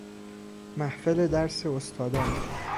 محفل درس استادان